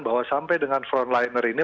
bahwa sampai dengan frontliner ini